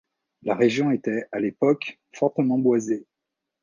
La région était, à l'époque, fortement boisée.